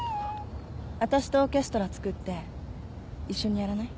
わたしとオーケストラつくって一緒にやらない？